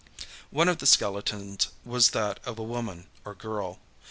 One of the skeletons was that of a woman or girl.